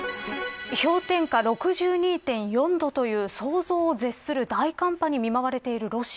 氷点下６２．４度という想像を絶する大寒波に見舞われているロシア。